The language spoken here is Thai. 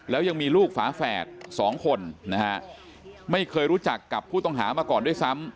แล้วยังมีลูกฝาแฝดสองคนนะฮะไม่เคยรู้จักกับผู้ต้องหามาก่อนด้วยซ้ำ